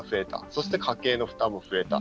そして、家計の負担も増えた。